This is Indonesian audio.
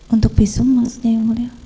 untuk visum maksudnya ya muda